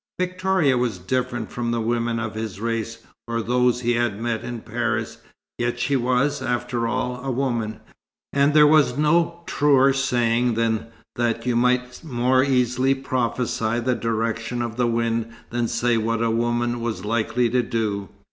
Victoria was different from the women of his race, or those he had met in Paris, yet she was, after all, a woman; and there was no truer saying than that you might more easily prophesy the direction of the wind than say what a woman was likely to do.